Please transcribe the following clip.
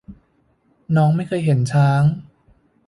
น้องไม่เคยเห็นช้าง